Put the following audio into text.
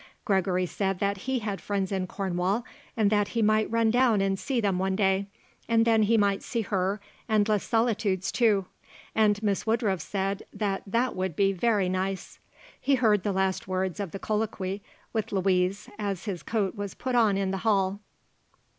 Gregory said that he had friends in Cornwall and that he might run down and see them one day and then he might see her and Les Solitudes, too. And Miss Woodruff said that that would be very nice. He heard the last words of the colloquy with Louise as his coat was put on in the hall.